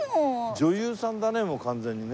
女優さんだねもう完全にね。